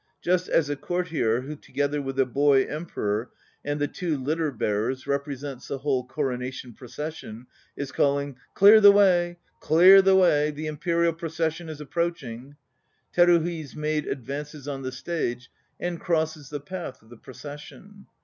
Just as a courtier (who together with the boy Emperor and the two litter bearers repre sents the whole coronation procession) is calling: "Clear the way, clear the way! The Imperial procession is approaching," Teruhi's maid advances on to the stage and crosses the path of the procession.